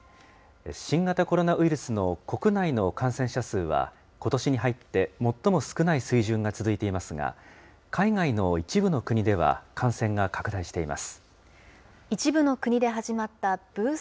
新型コロナウイルスの国内の感染者数は、ことしに入って最も少ない水準が続いていますが、海外の一部の国では、感染が拡大しています。